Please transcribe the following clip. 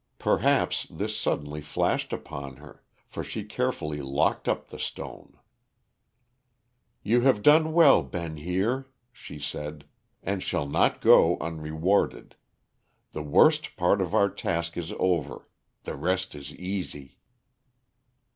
Perhaps this suddenly flashed upon her, for she carefully locked up the stone. "You have done well, Ben Heer," she said, "and shall not go unrewarded. The worst part of our task is over, the rest is easy."